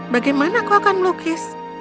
bagaimana aku akan melukis